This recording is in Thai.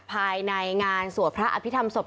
ภายในงานสวดพระอภิษฐรรศพ